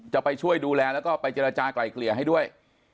จะไปช่วยดูแลแล้วก็ไปเจรจากลายเกลี่ยให้ด้วย